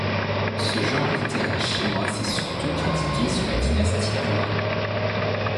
Ce genre littéraire chinois s'est surtout pratiqué sous la dynastie Yuan.